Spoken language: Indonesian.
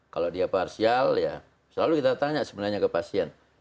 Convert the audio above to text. kalau dia parsial ya selalu kita tanya sebenarnya ke pasien